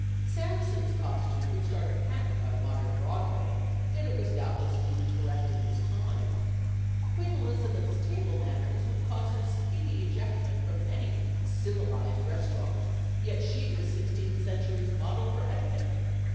Samson's costume would start a panic on modern Broadway, yet it was doubtless deemed correct in his time. Queen Elizabeth's table manners would cause her speedy ejectment from any civilized restaurant, yet she was sixteenth century's model for etiquette.